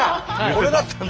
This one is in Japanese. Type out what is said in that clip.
これだったんだ。